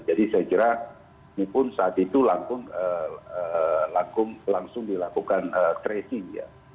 jadi saya kira ini pun saat itu langsung dilakukan tracing ya